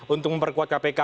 untuk memperkuat kpk